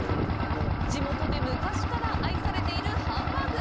地元で昔から愛されているハンバーグ。